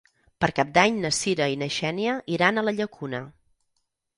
Per Cap d'Any na Cira i na Xènia iran a la Llacuna.